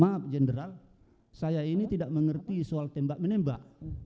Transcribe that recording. maaf jenderal saya ini tidak mengerti soal tembak menembak